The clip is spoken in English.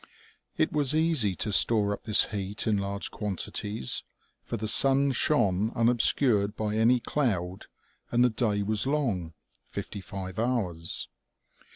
It was easy to store up this heat in large quantities, for the sun shone unobscured by any cloud and the day was long fifty five hours.